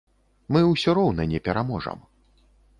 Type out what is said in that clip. Мы ўсё роўна не пераможам.